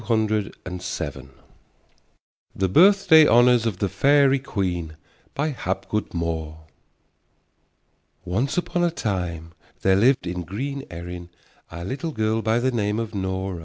THE BIRTHDAY HONORS OF THE FAIRY QUEEN BY HAPGOOD MOORE Once upon a time there lived in green Erin a little girl by the name of Nora.